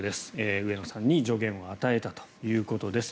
上野さんに助言を与えたということです。